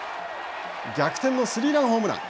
逆転のスリーランホームラン。